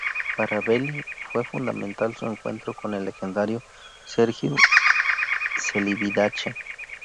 Para Belli fue fundamental su encuentro con el legendario Sergiu Celibidache.